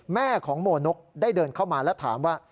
แม่ของโมนกได้เดินเข้ามาแล้วถามว่า